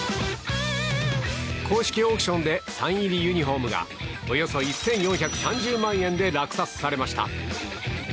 公式オークションでサイン入りユニホームがおよそ１４３０万円で落札されました。